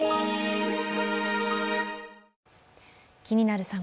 「気になる！